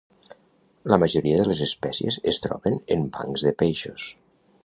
La majoria de les espècies es troben en bancs de peixos.